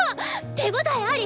手応えあり！？